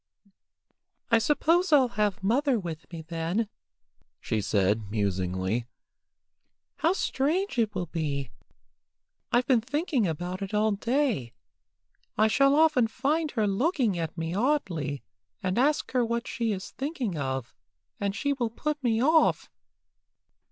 "I suppose I'll have mother with me then," she said, musingly. "How strange it will be! I've been thinking about it all day. I shall often find her looking at me oddly, and ask her what she is thinking of, and she will put me off.